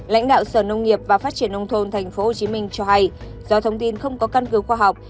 lãnh đạo sở nông nghiệp và phát triển nông thôn tp hcm cho hay do thông tin không có căn cứ khoa học